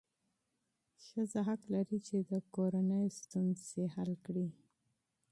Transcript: ښځه حق لري چې د کورنۍ مسایل حل کړي.